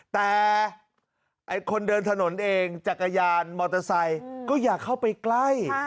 แต่คนเดินถนนเองจักรยานมอเตอร์ไซค์ก็อย่าเข้าไปใกล้